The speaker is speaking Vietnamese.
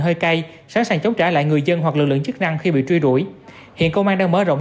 hơi cay sẵn sàng chống trả lại người dân hoặc lực lượng chức năng khi bị truy đuổi hiện công an đang mở rộng